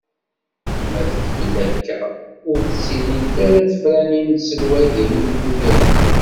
Ma tkemmel akka, ur d-ttilint ara tefranin n tselweyt di yulyu-agi.